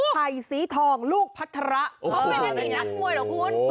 ไผ่สีทองลูกพัฒระเขาไม่ได้มีนักมวยเหรอคุณ